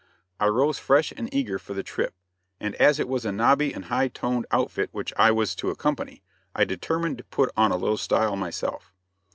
I rose fresh and eager for the trip, and as it was a nobby and high toned outfit which I was to accompany, I determined to put on a little style myself.